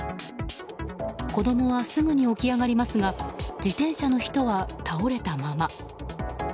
子供はすぐに起き上がりますが自転車の人は倒れたまま。